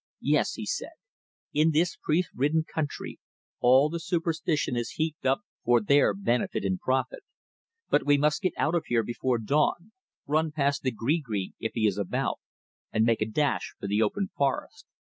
"Yes," he said. "In this priest ridden country all the superstition is heaped up for their benefit and profit. But we must get out of here before dawn, run past the gree gree if he is about, and make a dash for the open forest.